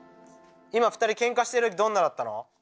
今２人ケンカしてる時どんなだったの？